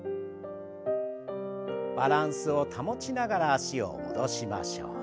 バランスを保ちながら脚を戻しましょう。